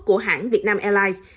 của hãng việt nam airlines